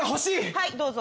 はいどうぞ。